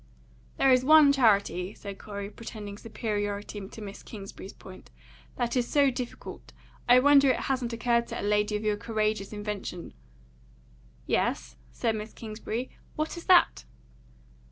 "There is one charity," said Corey, pretending superiority to Miss Kingsbury's point, "that is so difficult, I wonder it hasn't occurred to a lady of your courageous invention." "Yes?" said Miss Kingsbury. "What is that?"